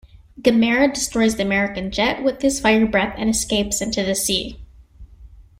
Gamera destroys the American jet with his fire breath and escapes into the sea.